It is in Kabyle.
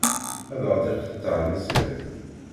Ad aɣ-d-iqeṭṭeɛ Meẓyan.